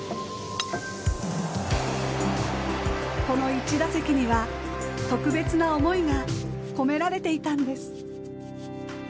この１打席には、特別な思いが込められていたんです。